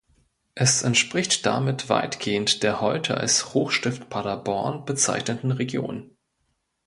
Es entspricht damit weitgehend der heute als Hochstift Paderborn bezeichneten Region.